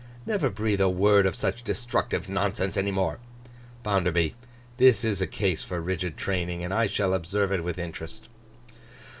Never breathe a word of such destructive nonsense any more. Bounderby, this is a case for rigid training, and I shall observe it with interest.